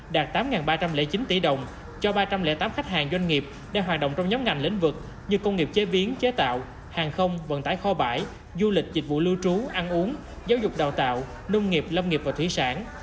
đạt tám ba trăm linh chín tỷ đồng cho ba trăm linh tám khách hàng doanh nghiệp đang hoạt động trong nhóm ngành lĩnh vực như công nghiệp chế biến chế tạo hàng không vận tải kho bãi du lịch dịch vụ lưu trú ăn uống giáo dục đào tạo nông nghiệp lâm nghiệp và thủy sản